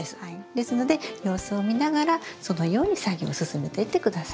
ですので様子を見ながらそのように作業を進めていって下さい。